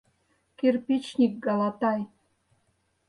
Кирпичник галатай